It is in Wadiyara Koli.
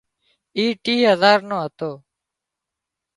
اي ٽِيهه هزار نو هتو